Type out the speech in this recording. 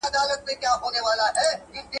خلګ به تل شراب څښي.